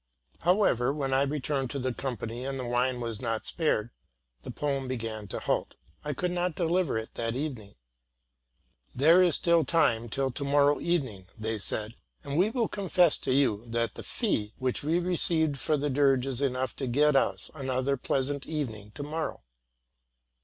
However, when I returned to the company, and the wine was not spared, the poem began to halt ; and I could not deliver it that evening. '* There is still time till to morrow evening,'' they said; 't and we will con fess to you that the fee which we receive for the dirge is enough to get us another pleasant evening to morrow.